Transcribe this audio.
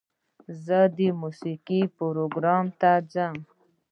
زه د موسیقۍ پروګرام ته ځم.